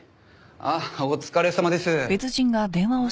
ああお疲れさまです。